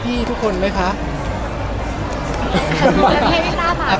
ขอบคุณครับ